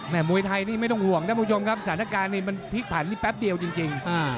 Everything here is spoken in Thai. มวยไทยนี่ไม่ต้องห่วงท่านผู้ชมครับสถานการณ์นี้มันพลิกผ่านนี่แป๊บเดียวจริง